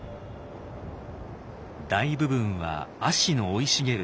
大部分は葦の生い茂る